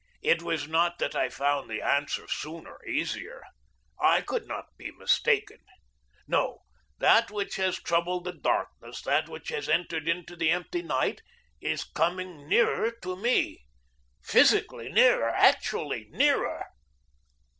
"It was not that I found the Answer sooner, easier. I could not be mistaken. No, that which has troubled the darkness, that which has entered into the empty night is coming nearer to me physically nearer, actually nearer."